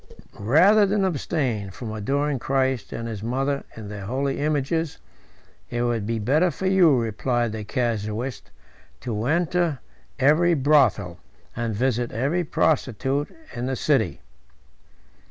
"Rather than abstain from adoring Christ and his Mother in their holy images, it would be better for you," replied the casuist, "to enter every brothel, and visit every prostitute, in the city."